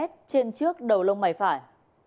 trên trước đầu lông mày phải